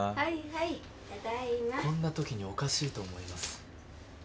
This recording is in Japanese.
こんなときにおかしいと思います。